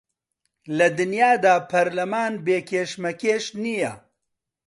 لە دنیادا پەرلەمان بێ کێشمەکێش نییە